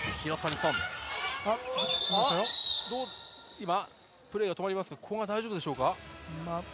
今プレーが止まりますが古賀大丈夫でしょうか？